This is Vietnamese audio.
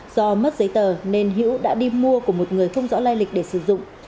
do mất giấy tờ nên hữu đã đi mua của một người không rõ lai lịch để sử dụng